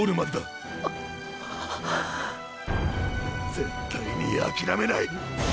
絶対に諦めない！